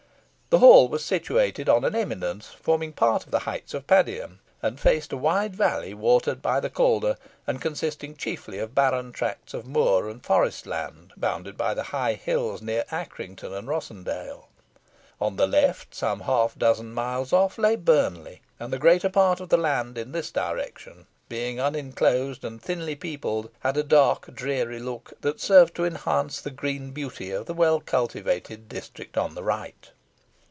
The hall was situated on an eminence forming part of the heights of Padiham, and faced a wide valley, watered by the Calder, and consisting chiefly of barren tracts of moor and forest land, bounded by the high hills near Accrington and Rossendale. On the left, some half dozen miles off, lay Burnley, and the greater part of the land in this direction, being uninclosed and thinly peopled, had a dark dreary look, that served to enhance the green beauty of the well cultivated district on the right.